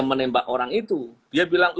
menembak orang itu dia bilang